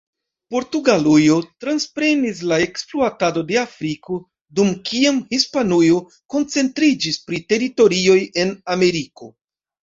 Portugalujo transprenis la ekspluato de Afriko, dum kiam Hispanujo koncentriĝis pri teritorioj en Ameriko.